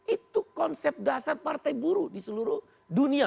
itu konsep dasar partai buruh di seluruh dunia